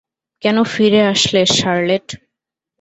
কেন ফিরে আসলে শার্লেট?